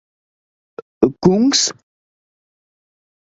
Kungs?